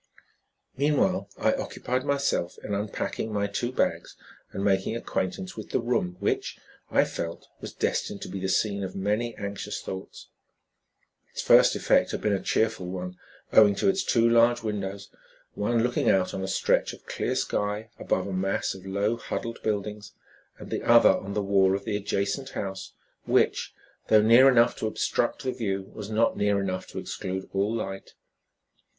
Meanwhile I occupied myself in unpacking my two bags and making acquaintance with the room which, I felt, was destined to be the scene of many, anxious thoughts. Its first effect had been a cheerful one, owing to its two large windows, one looking out on a stretch of clear sky above a mass of low, huddled buildings, and the other on the wall of the adjacent house which, though near enough to obstruct the view, was not near enough to exclude all light.